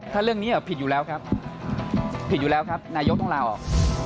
ถ้าเรื่องนี้ผิดอยู่แล้วครับผิดอยู่แล้วครับนายกต้องลาออก